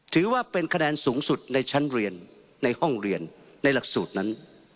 ถือว่าเป็นคะแนนสูงสุดในชั้นเรียนในห้องเรียนในหลักสูตรนั้น